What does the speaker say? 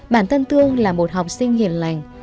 bản thân thương là một học sinh hiền lành